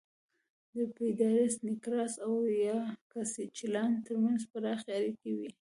د پېډراس نېګراس او یاکسچیلان ترمنځ پراخې اړیکې وې